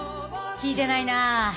聞いてないな。